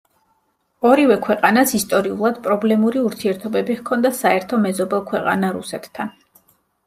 ორივე ქვეყანას ისტორიულად პრობლემური ურთიერთობები ჰქონდა საერთო მეზობელ ქვეყანა, რუსეთთან.